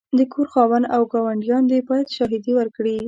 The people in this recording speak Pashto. د کور خاوند او ګاونډیان دي باید شاهدې ورکړې.